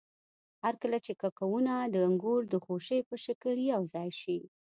هرکله چې کوکونه د انګور د خوشې په شکل یوځای شي.